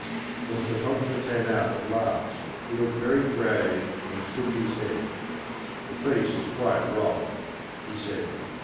When the photographer came out at last, he looked very grave and shook his head. "The face is quite wrong," he said.